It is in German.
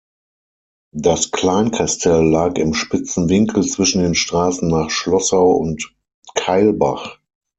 Das Kleinkastell lag im spitzen Winkel zwischen den Straßen nach Schloßau und Kailbach.